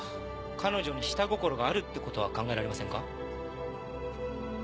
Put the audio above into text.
彼女に下心があるってことは考えられませんか？